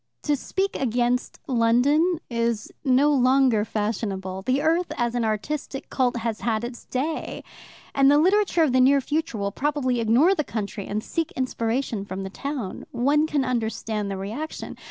To speak against London is no longer fashionable. The Earth as an artistic cult has had its day, and the literature of the near future will probably ignore the country and seek inspiration from the town. One can understand the reaction.